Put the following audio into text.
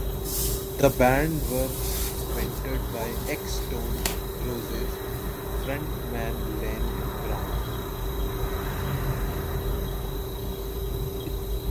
The band were mentored by ex-Stone Roses frontman Ian Brown.